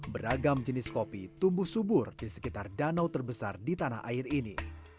beragam jenis kopi tumbuh subur di sekitar danau terbesar di tanah air ini